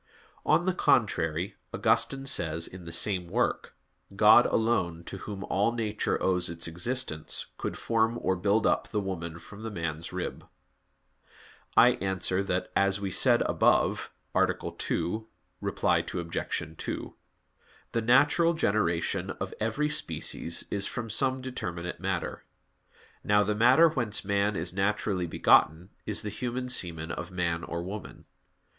On the contrary, Augustine says, in the same work: "God alone, to Whom all nature owes its existence, could form or build up the woman from the man's rib." I answer that, As was said above (A. 2, ad 2), the natural generation of every species is from some determinate matter. Now the matter whence man is naturally begotten is the human semen of man or woman.